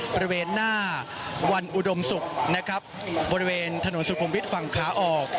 บริเวณหน้าวันอุดมศุกร์นะครับบริเวณถนนสุขุมวิทย์ฝั่งขาออก